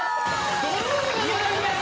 ドローでございます。